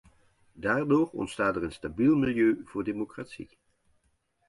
Daardoor ontstaat er een stabiel milieu voor democratie.